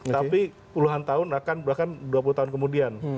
tapi puluhan tahun akan bahkan dua puluh tahun kemudian